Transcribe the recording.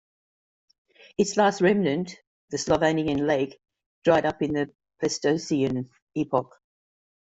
Its last remnant, the Slavonian Lake, dried up in the Pleistocene epoch.